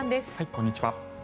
こんにちは。